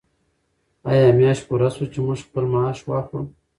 آیا میاشت پوره شوه چې موږ خپل معاش واخلو؟